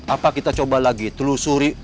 apa kita coba lagi telusuri